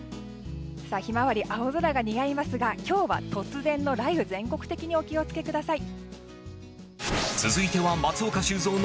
ヒマワリ、青空が似合いますが今日は突然の雷雨全国的にお気をつけください。